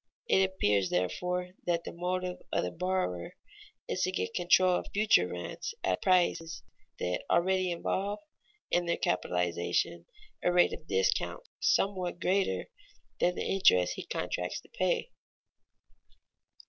It appears, therefore, that the motive of the borrower is to get control of future rents at prices that already involve, in their capitalization, a rate of discount somewhat greater than the interest he contracts to pay.